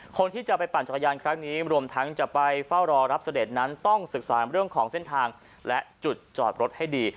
คนที่จะไปปั่นจักรยานครั้งนี้รวมทั้งจะไปเฝ้ารอรับเสด็จนั้นต้องศึกษาเรื่องของเส้นทางและจุดจอดรถให้ดี